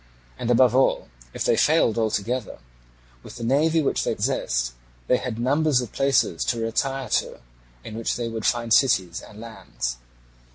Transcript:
And above all if they failed altogether, with the navy which they possessed, they had numbers of places to retire to in which they would find cities and lands.